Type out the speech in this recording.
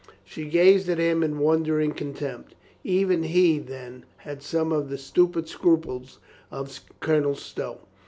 She gazed at him in won dering contempt. Even he, then, had some of the stupid scruples of Colonel Stow.